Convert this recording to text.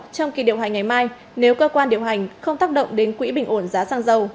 trong kỳ điều hành ngày mai nếu cơ quan điều hành không tác động đến quỹ bình ổn giá xăng dầu